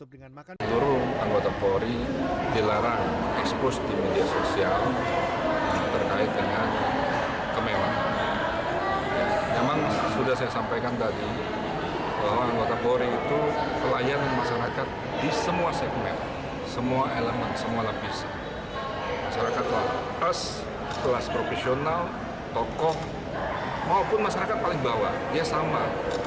walaupun masyarakat paling bawah dia sama